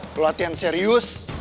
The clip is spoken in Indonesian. lo latihan serius